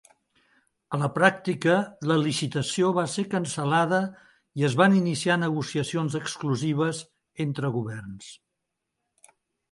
A la pràctica, la licitació va ser cancel·lada i es van iniciar negociacions exclusives entre governs.